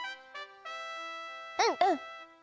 うん！